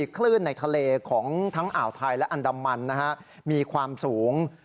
คลื่นในทะเลของทั้งอ่าวไทยและอันดามันมีความสูง